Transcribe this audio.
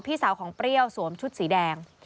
พี่สาวของเปรี้ยวสวมชุดสีแดง